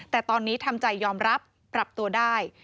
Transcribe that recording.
แต่ตอนนี้ทำใจยอมรับปรับตัวได้